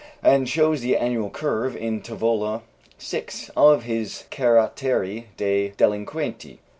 and shows the annual curve in Tavola VI of his Caratteri dei Delinquenti.